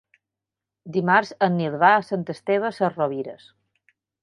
Dimarts en Nil va a Sant Esteve Sesrovires.